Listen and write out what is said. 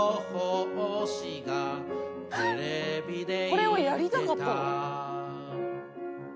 「これをやりたかったの？」